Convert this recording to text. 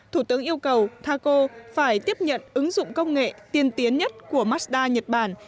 thủ tướng yêu cầu taco phải tiếp nhận ứng dụng công nghệ tiên tiến nhất của mazda nhật bản